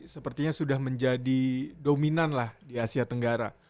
sepertinya sudah menjadi dominan lah di asia tenggara